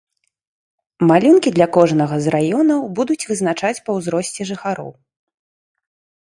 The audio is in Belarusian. Малюнкі для кожнага з раёнаў будуць вызначаць па ўзросце жыхароў.